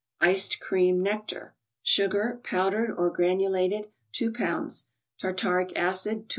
9]ceti Cream Nectar. Sugar, powdered or granulated, 2 lbs.; Tartaric acid, oz.